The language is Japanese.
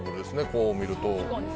こう見ると。